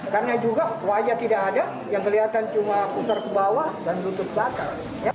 karena juga wajah tidak ada yang kelihatan cuma pusar ke bawah dan lutut bakar